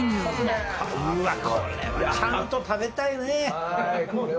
これはちゃんと食べたいね。